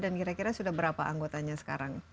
dan kira kira sudah berapa anggotanya sekarang